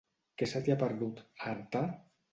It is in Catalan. Què se t'hi ha perdut, a Artà?